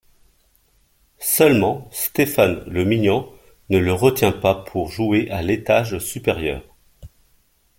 Seulement Stéphane Le Mignan ne le retient pas pour jouer à l'étage supérieur.